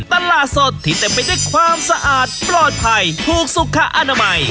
ตลาดสดที่เต็มไปด้วยความสะอาดปลอดภัยถูกสุขอนามัย